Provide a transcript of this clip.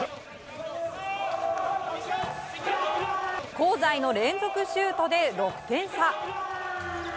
香西の連続シュートで６点差。